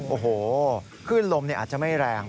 โอ้โหคลื่นลมอาจจะไม่แรง